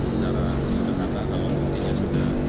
secara segera karena kalau pentingnya sudah